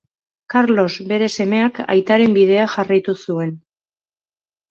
Karlos bere semeak aitaren bidea jarraitu zuen.